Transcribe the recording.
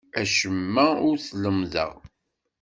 Acemma ur t-lemmdeɣ.